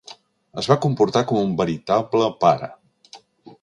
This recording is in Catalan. Es va comportar com un veritable pare.